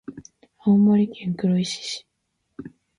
青森県黒石市